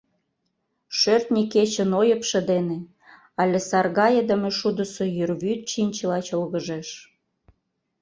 Шӧртньӧ кечын ойыпшо дене але саргайыдыме шудысо йӱр вӱд чинчыла чолгыжеш.